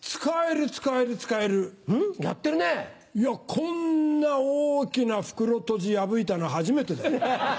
こんな大きな袋とじ破いたの初めてだよ。